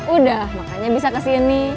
udah makanya bisa kesini